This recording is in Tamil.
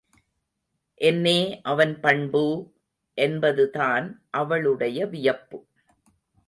என்னே அவன் பண்பு! என்பதுதான் அவளுடைய வியப்பு.